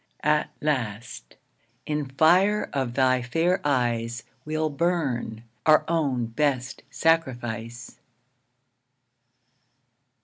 At last, in fire of thy fair eyes, We'll burn, our own best sacrifice.